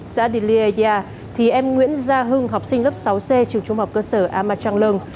già đi liê gia thì em nguyễn gia hưng học sinh lớp sáu xe trường trung học cơ sở amma trang lương